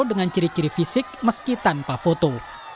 dengan ciri ciri fisik meski tanpa foto